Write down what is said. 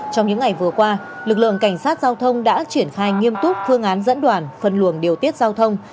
trong những ngày vừa qua lực lượng cảnh sát giao thông đã triển khai nghiêm túc phương án dẫn đoàn phân luồng điều tiết giao thông